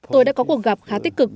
tôi đã có cuộc gặp khá tích cực